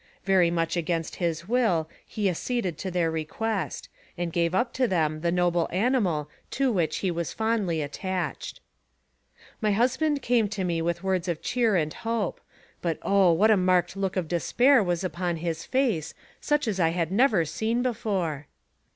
Very much against his will, he acceded to their AMONG THE SIOUX INDIANS. 23 request, and gave up to them the noble animal to which he was fondly attached. My husband came to me with words of cheer and hope, but oh ! what a marked look of despair was upon his face, such as I had never seen before.